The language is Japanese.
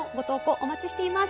お待ちしております。